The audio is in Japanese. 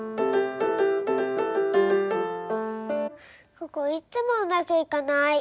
ここいっつもうまくいかない。